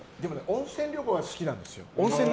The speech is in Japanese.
温泉旅行は好きなんですよ。